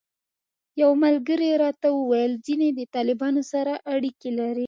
یو ملګري راته وویل ځینې د طالبانو سره اړیکې لري.